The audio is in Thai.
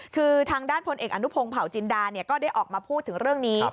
คือทางด้านพลเอกอนุพงศ์เผาจินดาก็ได้ออกมาพูดถึงเรื่องนี้